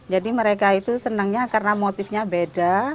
jadi mereka itu senangnya karena motifnya beda